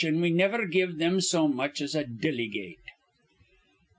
An' we niver give thim so much as a dillygate."